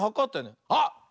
あっ！